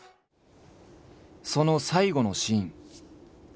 その最期のシーン。